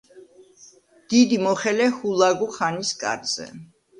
დიდი მოხელე ჰულაგუ-ხანის კარზე.